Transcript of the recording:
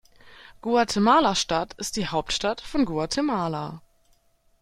Guatemala-Stadt ist die Hauptstadt von Guatemala.